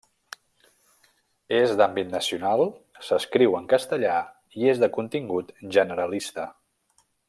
És d'àmbit nacional, s'escriu en castellà i és de contingut generalista.